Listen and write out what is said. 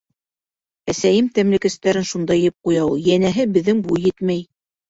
Әсәйем тәмлекәстәрен шунда йыйып ҡуя ул, йәнәһе, беҙҙең буй етмәй.